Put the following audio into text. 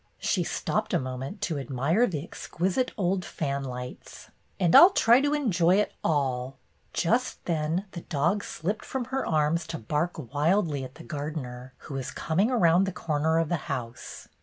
She stopped a moment to ad mire the exquisite old fan lights. "And I 'll try to enjoy it all !" Just then the dog slipped from her arms to bark wildly at the gardener, who was coming around the corner of the house.